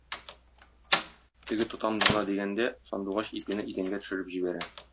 Теге тотам гына дигәндә, Сандугач ипине идәнгә төшереп җибәрә.